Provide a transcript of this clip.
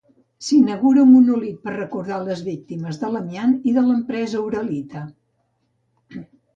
S'inaugura un monòlit per recordar les víctimes de l'amiant i de l'empresa Uralita.